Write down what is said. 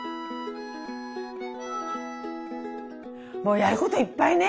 もうやることいっぱいね。